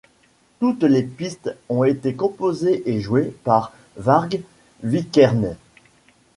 Toutes les pistes ont été composées et jouées par Varg Vikernes.